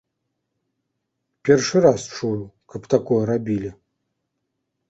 Першы раз чую, каб такое рабілі.